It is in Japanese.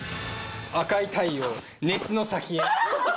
赤い太陽・熱の先へ。